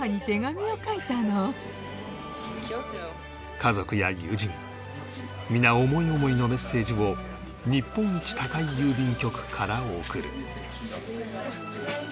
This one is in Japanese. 家族や友人皆思い思いのメッセージを日本一高い郵便局から送る